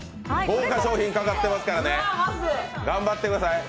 豪華賞品かかってますからね、頑張ってくださいね。